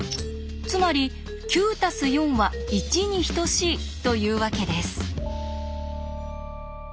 つまり９＋４＝１に等しいというわけです。